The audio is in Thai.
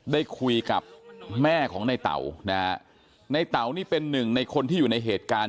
ได้คุยกับแม่ของในเต๋านะฮะในเต๋านี่เป็นหนึ่งในคนที่อยู่ในเหตุการณ์